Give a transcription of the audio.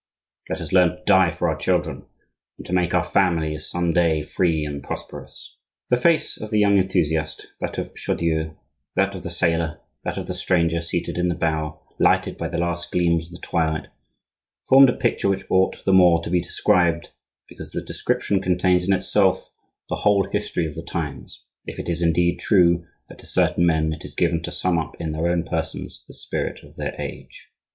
Let us learn to die for our children, and make our families some day free and prosperous." The face of the young enthusiast, that of Chaudieu, that of the sailor, that of the stranger seated in the bow, lighted by the last gleams of the twilight, formed a picture which ought the more to be described because the description contains in itself the whole history of the times—if it is, indeed, true that to certain men it is given to sum up in their own persons the spirit of their age.